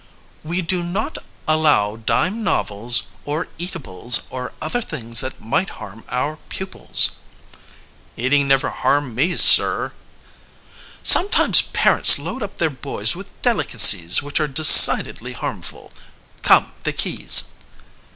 "We do not allow dime novels, or, eatables, or other things that might harm our pupils." "Eating never harmed me, sir." "Sometimes parents load up their boys with delicacies which are decidedly harmful. Come, the keys."